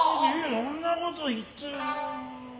そんなこと言ってる。